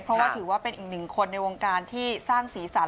เพราะว่าถือว่าเป็นอีกหนึ่งคนในวงการที่สร้างสีสัน